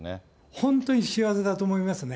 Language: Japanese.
本当に幸せだと思いますね。